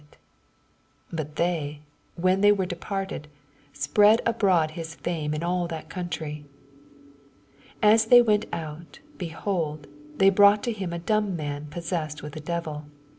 31 But thev, when they were de parted, Bpreaa abroad his fame in idl that country. 82 As thej went out, behold, they brought to hun a dumb man possessed with a devil.